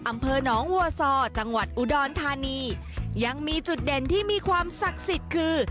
อำเภอหนองวัวซอจังหวัดอุดรธานียังมีจุดเด่นที่มีความศักดิ์สิทธิ์คือ